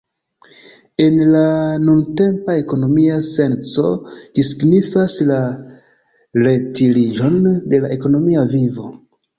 En la nuntempa ekonomia senco, ĝi signifas la retiriĝon de la ekonomia vivo.